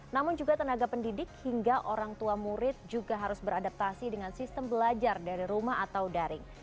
namun juga tenaga pendidik hingga orang tua murid juga harus beradaptasi dengan sistem belajar dari rumah atau daring